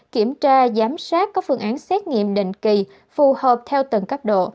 kiểm tra giám sát các phương án xét nghiệm định kỳ phù hợp theo từng cấp độ